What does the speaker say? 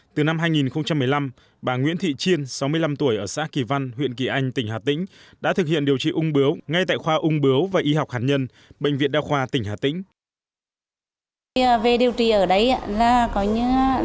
từ năm hai nghìn một mươi năm bà nguyễn thị chiên sáu mươi năm tuổi ở xã kỳ văn huyện kỳ anh tỉnh hà tĩnh đã thực hiện điều trị ung bưu ngay tại khoa ung bưu và y học hạt nhân bệnh viện đa khoa tỉnh hà tĩnh